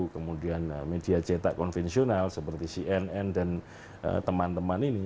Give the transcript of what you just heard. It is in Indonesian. kemudian media cetak konvensional seperti cnn dan teman teman ini